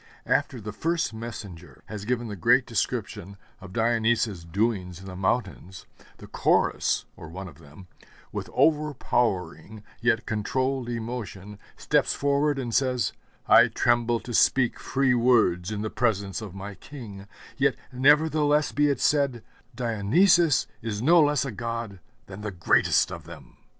After the First Messenger has given the great description of Dionysus's doings in the mountains, the Chorus, or one of them, with overpowering yet controlled emotion, steps forward and says, 'I tremble to speak free words in the presence of my King; yet nevertheless be it said: Dionysus is no less a god than the greatest of them!'